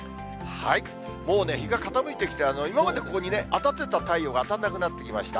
もうね、日が傾いてきて、今までここに当たってた太陽が当たらなくなってきました。